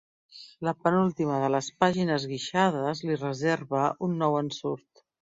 La penúltima de les pàgines guixades li reserva un nou ensurt.